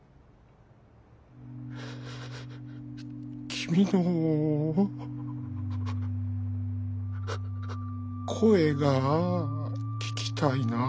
君の声が聞きたいなあ。